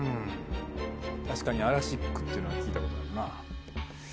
確かにアラシックというのは聞いたことあるな。